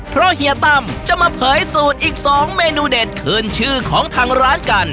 เพราะเฮียตั้มจะมาเผยสูตรอีก๒เมนูเด็ดขึ้นชื่อของทางร้านกัน